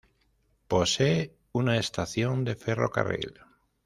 Posee una estación de ferrocarril.